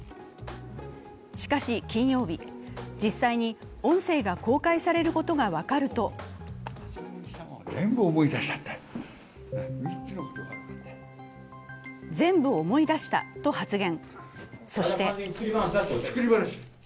しかし、金曜日、実際に音声が公開されることが分かると全部思い出したと発言。